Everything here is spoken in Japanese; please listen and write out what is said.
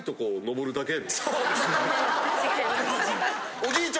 おじいちゃん